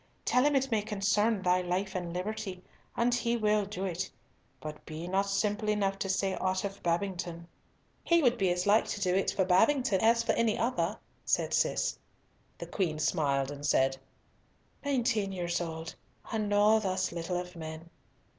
Tell him it may concern thy life and liberty, and he will do it, but be not simple enough to say ought of Babington." "He would be as like to do it for Babington as for any other," said Cis. The Queen smiled and said, "Nineteen years old, and know thus little of men."